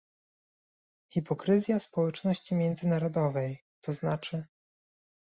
Hipokryzja społeczności międzynarodowej - tzn